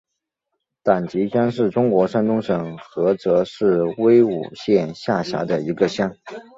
党集乡是中国山东省菏泽市成武县下辖的一个乡。